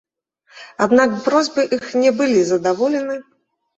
Аднак просьбы іх не былі задаволены.